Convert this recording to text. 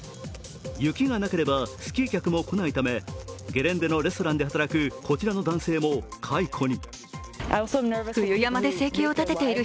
雪がなければスキー客も来ないためゲレンデのレストランで働くこちらの男性も解雇に。